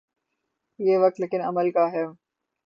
یہ وقت لیکن عمل کا ہے۔